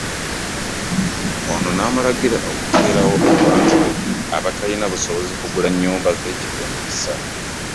Ono n'amulagira okuteerawo abantu be abatalina busobozi kugula nnyumba z'e Kigo omukisa